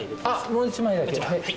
もう１枚だけ。